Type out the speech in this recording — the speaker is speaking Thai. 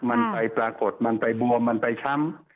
มันไปปรากฏมันไปบวมมันไปช้ำ